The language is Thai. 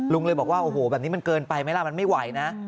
ลุงเลยบอกว่าโอ้โหแบบนี้มันเกินไปไหมล่ะมันไม่ไหวนะ